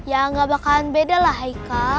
ya gak bakalan beda lah haika